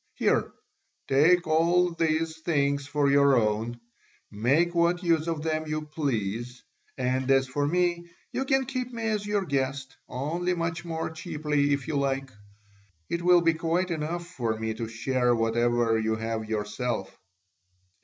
Here, take all these things for your own, make what use of them you please; and as for me, you can keep me as your guest, only much more cheaply if you like: it will be quite enough for me to share whatever you have yourself."